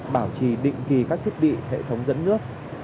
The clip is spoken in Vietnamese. bảo trì định kỳ các thiết bị hệ thống dẫn nước